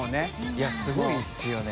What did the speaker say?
いやすごいですよね。